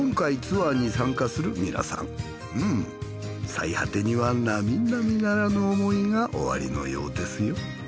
最果てには並々ならぬ思いがおありのようですよ。